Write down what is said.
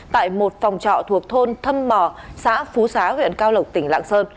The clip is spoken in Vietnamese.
tại một phòng trọ thuộc thôn thâm mò xã phú xá huyện cao lộc tỉnh lạng sơn